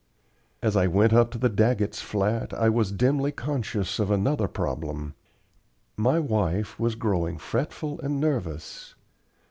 As I went up to the Daggetts' flat I was dimly conscious of another problem. My wife was growing fretful and nervous.